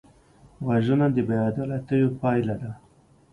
وژنه د بېعدالتیو پایله ده